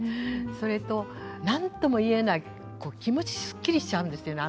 それと何とも言えない気持ちすっきりしちゃうんですよね